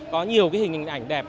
có nhiều hình ảnh đẹp